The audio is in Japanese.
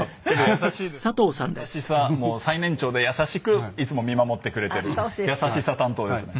優しさ最年長で優しくいつも見守ってくれている優しさ担当ですね。